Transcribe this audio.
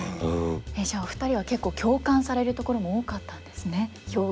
じゃあお二人は結構共感されるところも多かったんですね。